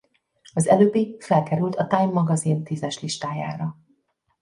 Az előbbi felkerült a Time magazin tízes listájára.